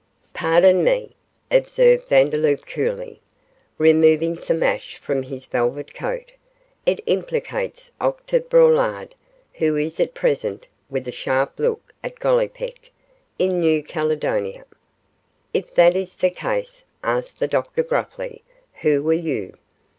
'Pardon me,' observed Vandeloup, coolly, removing some ash from his velvet coat, 'it implicates Octave Braulard, who is at present,' with a sharp look at Gollipeck, 'in New Caledonia.' 'If that is the case,' asked the doctor, gruffly, 'who are you?